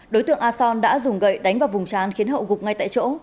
đối tượng a son đã dùng gậy đánh vào vùng trán khiến hậu gục ngay tại chỗ